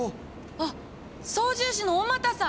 あっ操縦士の小俣さん！